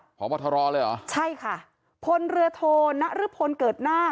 เพราะว่าทะเลาะเลยเหรอใช่ค่ะพลเรือโทนหรือพลเกิดหน้า